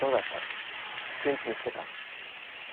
元気にしてた？